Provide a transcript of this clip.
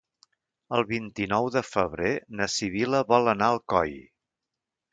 El vint-i-nou de febrer na Sibil·la vol anar a Alcoi.